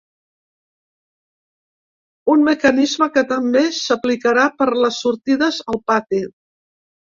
Un mecanisme que també s’aplicarà per les sortides al pati.